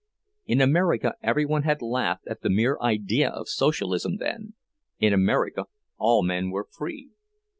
In America every one had laughed at the mere idea of Socialism then—in America all men were free.